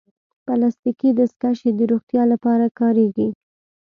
پلاستيکي دستکشې د روغتیا لپاره کارېږي.